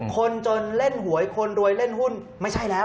คนจนเล่นหวยคนรวยเล่นหุ้นไม่ใช่แล้ว